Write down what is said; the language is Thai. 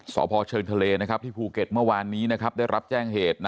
สมภชลทะเลนะครับที่ภูเก็ตเมื่อวานนี้นะครับได้รับแจ้งเหตุ